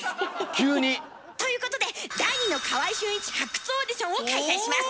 急に？ということで第二の「川合俊一」発掘オーディションを開催します。